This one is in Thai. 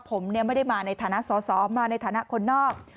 ผมเนี่ยไม่ได้มาในฐานะสศมาในฐานะคนนอก